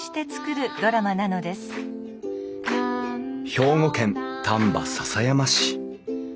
兵庫県丹波篠山市。